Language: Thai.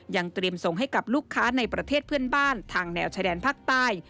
ยังเตรียมส่งให้กับลูกค้าในประเทศเพื่อนบ้านทางแนวชายแดนภาคใต้